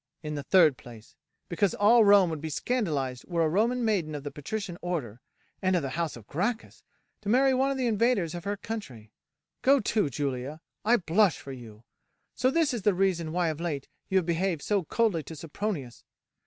In the third place, because all Rome would be scandalized were a Roman maiden of the patrician order, and of the house of Gracchus, to marry one of the invaders of her country. Go to, Julia, I blush for you! So this is the reason why of late you have behaved so coldly to Sempronius.